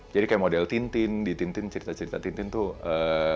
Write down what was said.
jadi kayak model tintin di tintin cerita cerita tintin tuh ee